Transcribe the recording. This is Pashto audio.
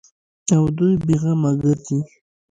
او دوى بې غمه گرځي.